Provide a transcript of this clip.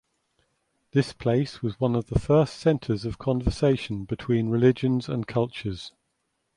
This place was one of the first centers of conversation between religions and cultures.